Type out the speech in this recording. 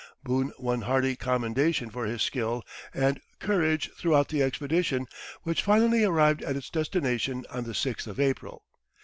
Boone won hearty commendation for his skill and courage throughout the expedition, which finally arrived at its destination on the sixth of April.